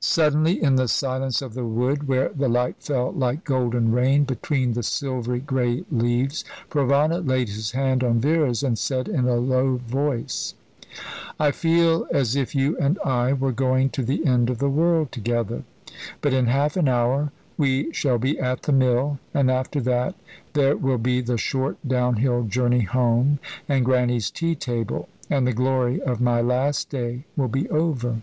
Suddenly, in the silence of the wood, where the light fell like golden rain between the silver grey leaves, Provana laid his hand on Vera's, and said in a low voice: "I feel as if you and I were going to the end of the world together; but in half an hour we shall be at the mill, and after that there will be the short down hill journey home, and Grannie's tea table, and the glory of my last day will be over."